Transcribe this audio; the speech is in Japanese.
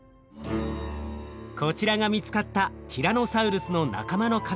こちらが見つかったティラノサウルスの仲間の化石。